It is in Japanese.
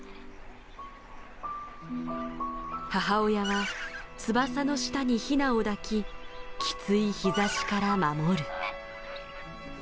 母親は翼の下にヒナを抱ききつい日ざしから守る。